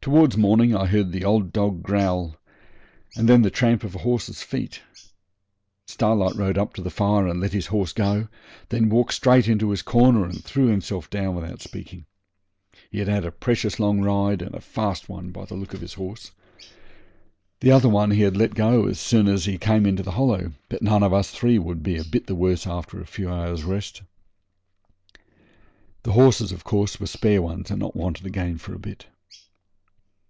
Towards morning I heard the old dog growl, and then the tramp of a horse's feet. Starlight rode up to the fire and let his horse go, then walked straight into his corner and threw himself down without speaking. He had had a precious long ride, and a fast one by the look of his horse. The other one he had let go as soon as he came into the Hollow; but none of the three would be a bit the worse after a few hours' rest. The horses, of course, were spare ones, and not wanted again for a bit.